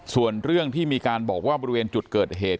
ส่วนเรื่องที่มีการบอกว่าบริเวณจุดเกิดเหตุ